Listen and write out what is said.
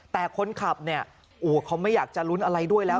แต่คนขับเนี่ยโอ้โหเขาไม่อยากจะลุ้นอะไรด้วยแล้ว